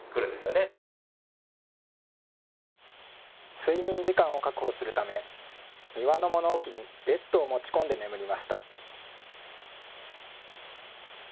睡眠時間を確保するため、庭の物置にベッドを持ち込んで眠りました。